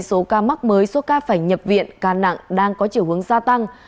số ca mắc mới số ca phải nhập viện ca nặng đang có chiều hướng gia tăng